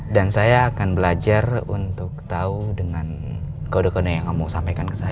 dan saya akan belajar untuk tahu dengan kode kode yang kamu sampaikan ke saya